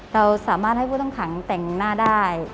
เราสามารถให้ผู้ต้องขังแต่งหน้าได้